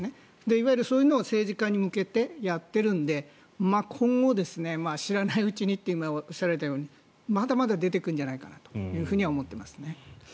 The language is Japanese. いわゆるそういうのを政治家に向けてやっているので今後、知らないうちにと今、おっしゃられたようにまだまだ出てくるんじゃないかとは思っていますね。